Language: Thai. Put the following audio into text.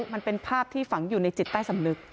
มันเป็นภาพที่ฝังอยู่ในจิตใต้สำนึก